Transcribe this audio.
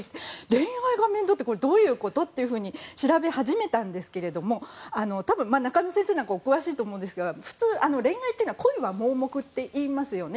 恋愛が面倒ってどういうこと？って調べ始めたんですけど多分、中野先生なんかお詳しいと思いますがふつう、恋愛というのは恋は盲目っていいますよね。